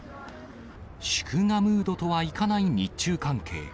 祝賀ムードとはいかない日中関係。